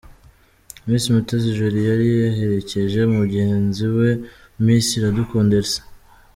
Miss Mutesi Joly yari yaherekeje mugenzi we Miss Iradukunda Elsa.